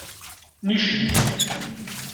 Nican.